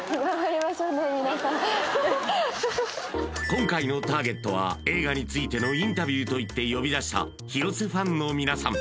今回のターゲットは映画についてのインタビューといって呼び出した広瀬ファンの皆さん